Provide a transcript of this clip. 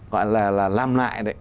gọi là làm lại